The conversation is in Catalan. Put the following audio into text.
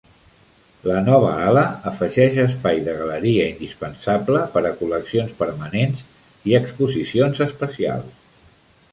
La nova ala afegeix espai de galeria indispensable per a col·leccions permanents i exposicions especials.